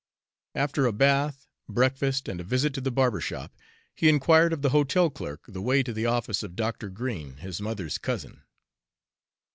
After a bath, breakfast, and a visit to the barbershop, he inquired of the hotel clerk the way to the office of Dr. Green, his mother's cousin.